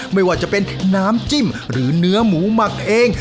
ไม่ว่าจะเป็นน้ำจิ้มหรือเนื้อหมูหมักเอง